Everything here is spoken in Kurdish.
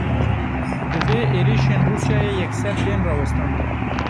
Divê êrişên Rûsyayê yekser bên rawestandin.